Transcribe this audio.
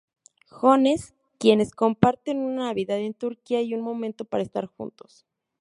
Jones, quienes comparten una Navidad en Turquía y un momento para estar juntos.